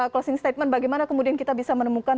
closing statement bagaimana kemudian kita bisa menemukan